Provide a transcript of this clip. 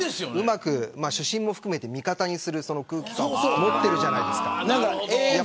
主審も含めて味方にする空気感を持っているじゃないですか。